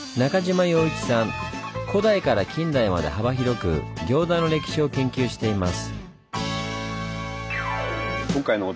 古代から近代まで幅広く行田の歴史を研究しています。